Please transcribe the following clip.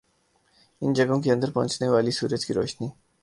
ان جگہوں کے اندر پہنچنے والی سورج کی روشنی